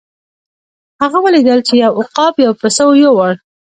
هغه ولیدل چې یو عقاب یو پسه یووړ.